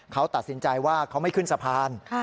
เขาตัดสินใจว่าเขาไม่ขึ้นสะพาน